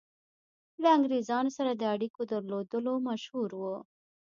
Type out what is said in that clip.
له انګرېزانو سره د اړېکو درلودلو مشهور وو.